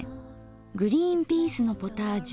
「グリーンピースのポタージュ」。